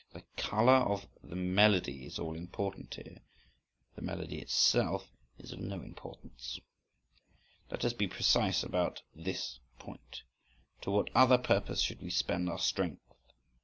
The colour of the melody is all important here, the melody itself is of no importance. Let us be precise about this point. To what other purpose should we spend our strength?